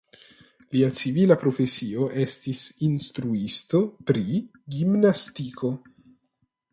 Lia civila profesio estis instruisto pri gimnastiko.